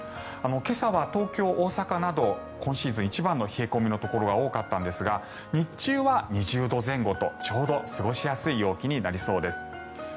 今朝は東京、大阪など今シーズン一番の冷え込みのところが多かったんですが日中は２０度前後とちょうど過ごしやすい天気になりそうです。